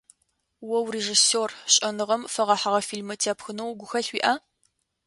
О урежиссер, шӏэныгъэм фэгъэхьыгъэ фильмэ тепхынэу гухэлъ уиӏа?